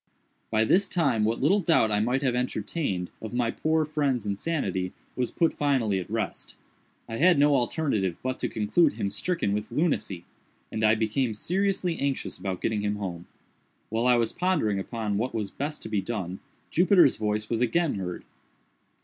By this time what little doubt I might have entertained of my poor friend's insanity, was put finally at rest. I had no alternative but to conclude him stricken with lunacy, and I became seriously anxious about getting him home. While I was pondering upon what was best to be done, Jupiter's voice was again heard.